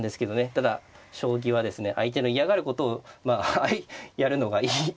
ただ将棋はですね相手の嫌がることをまあやるのがいいと。